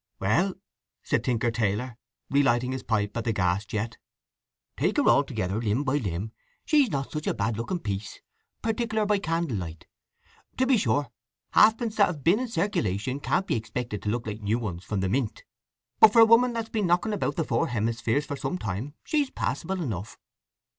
"Well," said Tinker Taylor, relighting his pipe at the gas jet. "Take her all together, limb by limb, she's not such a bad looking piece—particular by candlelight. To be sure, halfpence that have been in circulation can't be expected to look like new ones from the mint. But for a woman that's been knocking about the four hemispheres for some time, she's passable enough.